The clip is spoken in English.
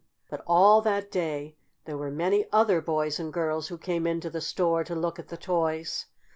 But all that day there were many other boys and girls who came into the store to look at the toys.